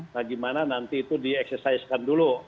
bagaimana nanti itu dieksesaiskan dulu